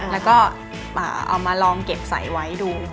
แล้วก็เอามาลองเก็บใส่ไว้ดู